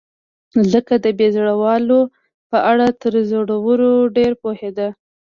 ځکه د بې زړه والاو په اړه تر زړورو ډېر پوهېده.